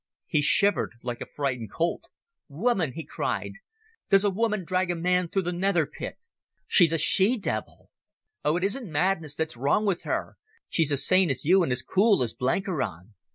He shivered like a frightened colt. "Woman!" he cried. "Does a woman drag a man through the nether pit? She's a she devil. Oh, it isn't madness that's wrong with her. She's as sane as you and as cool as Blenkiron.